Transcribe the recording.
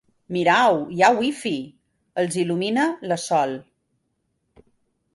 Mireu, hi ha wifi! —els il·lumina la Sol.